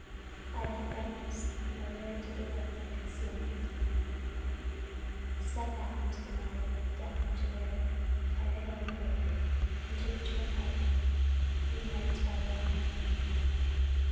By that brightness the murderer did the work of concealment." I stepped back into the mud and looked down to where the Firehill Road entered the turnpike a few yards farther on.